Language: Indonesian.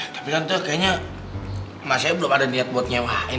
tapi tante kayaknya emak saya belum ada niat buat nyewain ya